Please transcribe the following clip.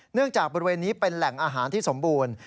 จากบริเวณนี้เป็นแหล่งอาหารที่สมบูรณ์